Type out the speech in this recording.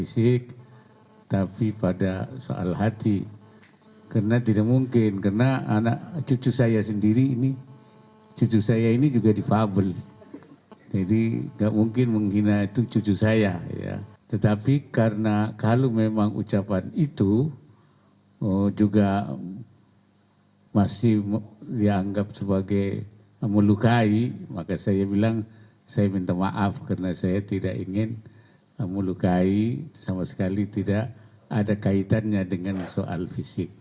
saya maka saya bilang saya minta maaf karena saya tidak ingin melukai sama sekali tidak ada kaitannya dengan soal fisik